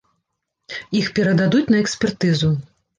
Іх перададуць на экспертызу.